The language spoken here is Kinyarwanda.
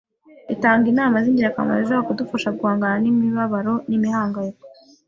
itanga inama z’ingirakamaro zishobora kudufasha guhangana n’imibabaro n’imihangayiko.